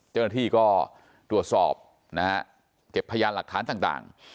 เจ้าหน้าที่ก็ตรวจสอบนะฮะเก็บพยานหลักฐานต่าง